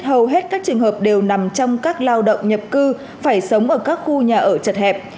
hầu hết các trường hợp đều nằm trong các lao động nhập cư phải sống ở các khu nhà ở chật hẹp